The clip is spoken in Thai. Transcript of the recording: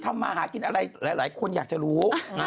ทำมาหากินอันนี้หลายคนอยากจะรู้